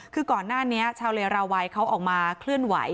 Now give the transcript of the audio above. คือก่อนหน้านี้ชาวเลราวัยเขาออกมาเคลื่อนไหว